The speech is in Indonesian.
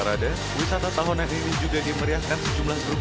sedangkan pada tahun itu menyenggara penjinai dari advokat surabaya yang hebat